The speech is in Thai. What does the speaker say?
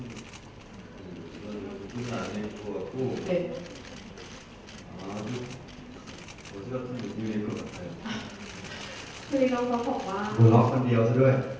เดินละลอออออใส่ชุดท่าใหม่เกาหลีสูงสวยอะไรแบบเนี้ยฮะ